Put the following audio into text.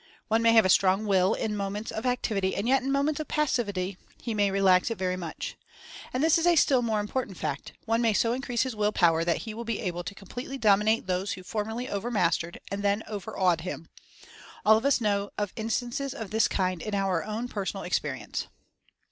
One may have a strong Will in moments of P activity, and yet in moments of passivity he may relax it very much. And this is a still more important fact: one may so increase his Will Power that he will be able to completely dominate those who formerly over mastered, and even over awed, him. All of us know of instances of this kind in our own personal ex perience."